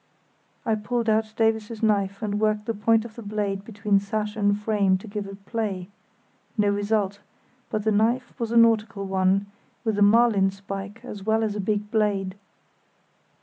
I pulled out Davies's knife and worked the point of the blade between sash and frame to give it play—no result; but the knife was a nautical one, with a marlin spike as well as a big blade.